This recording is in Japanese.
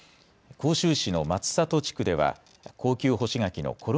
甲州市の松里地区では高級干し柿のころ